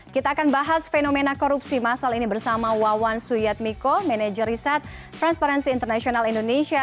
kita akan bahas fenomena korupsi masal ini bersama wawan suyatmiko manajer riset transparency international indonesia